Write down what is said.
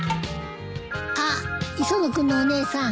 あっ磯野君のお姉さん。